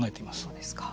そうですか。